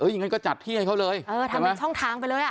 อย่างนั้นก็จัดที่ให้เขาเลยเออทำเป็นช่องทางไปเลยอ่ะ